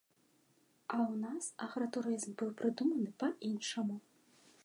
А ў нас агратурызм быў прыдуманы па іншаму.